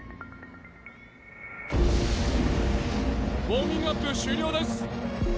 ウォーミングアップ終了です。